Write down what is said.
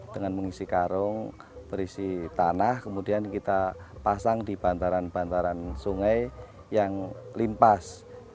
dengan mengisi karung berisi tanah kemudian kita pasang di bantaran bantaran sungai yang limpas